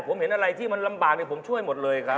ผมเห็นอะไรที่มันลำบากผมช่วยหมดเลยครับ